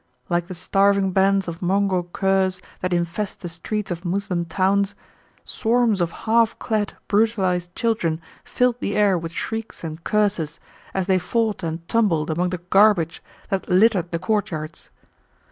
Like the starving bands of mongrel curs that infest the streets of Moslem towns, swarms of half clad brutalized children filled the air with shrieks and curses as they fought and tumbled among the garbage that littered the court yards.